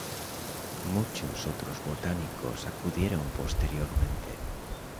Muchos otros botánicos acudieron posteriormente.